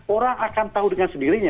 orang akan tahu dengan sendirinya